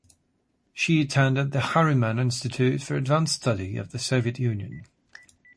She attended the Harriman Institute for Advanced Study of the Soviet Union.